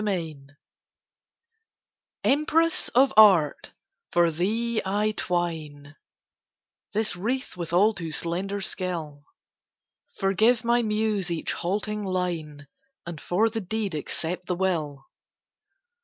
II EMPRESS of Art, for thee I twine This wreath with all too slender skill. Forgive my Muse each halting line, And for the deed accept the will!